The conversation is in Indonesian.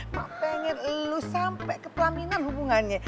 ma pengen lo sampe ketelaminan hubungannya